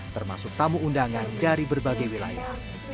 termasuk tamu undangan dari berbagai wilayah